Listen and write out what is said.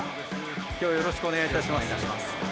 今日はよろしくお願いいたします。